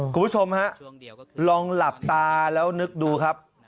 คุณผู้ชมฮะลองหลับตาแล้วนึกดูครับ